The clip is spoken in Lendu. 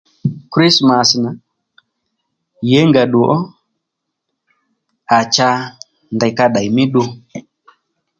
Krismàs nà yěngà ddù ó à cha ndèy ka ddèy mí ddu